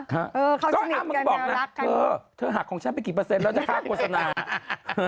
หรือเค้ามั้ยล่ะอ้ามมันบอกนะเธอหักของฉันไปกี่เปอร์เซตแล้วจะฆ่ากังวลสนาม